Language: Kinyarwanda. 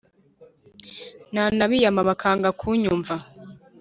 nanabiyama bakanga kunyumva